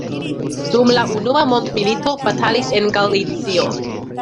Dum la unua mondmilito batalis en Galicio.